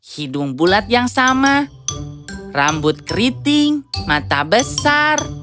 hidung bulat yang sama rambut keriting mata besar